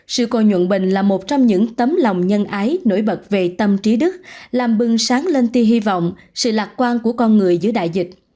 sự cô nhuận bình là một trong những tấm lòng nhân ái nổi bật về tâm trí đức làm bưng sáng lên tia hy vọng sự lạc quan của con người giữa đại dịch